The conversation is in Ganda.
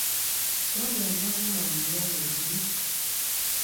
Wabula Nabuuma alina omululu!